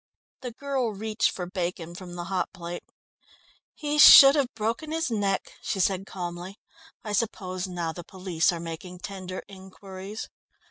The girl reached for bacon from the hot plate. "He should have broken his neck," she said calmly. "I suppose now the police are making tender inquiries?"